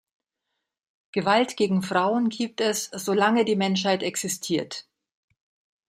Gewalt gegen Frauen gibt es, solange die Menschheit existiert.